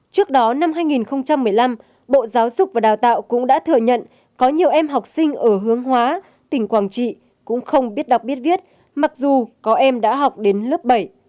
trước đó năm hai nghìn một mươi năm bộ giáo dục và đào tạo cũng đã thừa nhận có nhiều em học sinh ở hướng hóa tỉnh quảng trị cũng không biết đọc biết viết mặc dù có em đã học đến lớp bảy